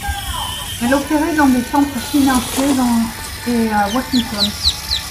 Elle opérait dans des centres financiers dans et à Washington.